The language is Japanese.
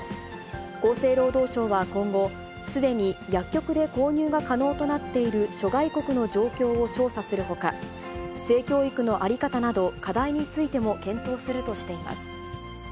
厚生労働省は今後、すでに薬局で購入が可能となっている諸外国の状況を調査するほか、性教育の在り方など、課題についても検討するとしています。